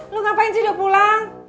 lo ngapain sih udah pulang